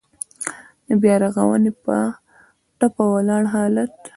د بيا رغونې په ټپه ولاړ حالات.